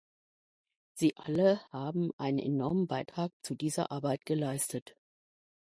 Sie alle haben einen enormen Beitrag zu dieser Arbeit geleistet.